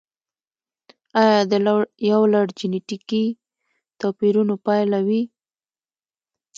یا د یو لړ جنتیکي توپیرونو پایله وي.